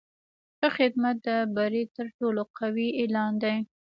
ښه خدمت د بری تر ټولو قوي اعلان دی.